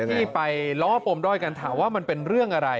ให้ไปล้อปลมด้อยกันถามว่ามันเป็นอะไร